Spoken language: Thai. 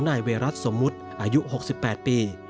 นายเวรัสสมมุติอายุ๖๘ปี